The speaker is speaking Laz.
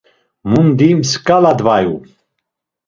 Mundi msǩala dvayu.